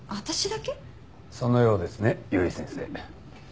そのようですね由井先生。